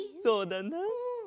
そうだな。